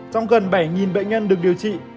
trong gần bảy bệnh nhân được điều trị